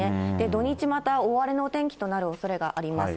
土日、また大荒れの天気となるおそれもあります。